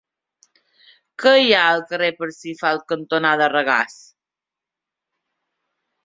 Què hi ha al carrer Parsifal cantonada Regàs?